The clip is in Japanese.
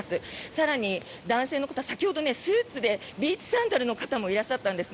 更に、男性の方先ほどスーツでビーチサンダルの方もいらっしゃったんです。